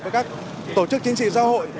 với các tổ chức chiến sĩ xã hội